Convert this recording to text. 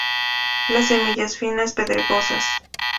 Las semillas finas, pedregosas.